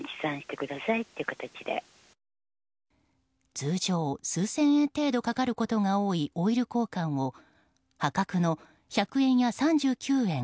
通常、数千円程度かかることが多いオイル交換を破格の１００円や３９円